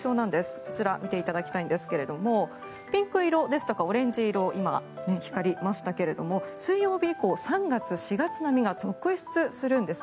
こちら見ていただきたいんですがピンク色やオレンジ色が今、光りましたが水曜日以降、３月４月並みが続出するんです。